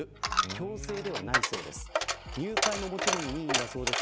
強制ではないそうです。